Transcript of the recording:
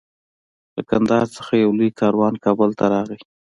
له قندهار څخه یو لوی کاروان کابل ته راغی.